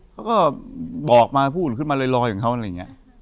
เขาก็บอกมาพูดขึ้นมาลอยของเขาอะไรอย่างนี้